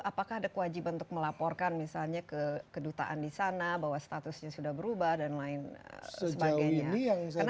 apakah ada kewajiban untuk melaporkan misalnya ke kedutaan di sana bahwa statusnya sudah berubah dan lain sebagainya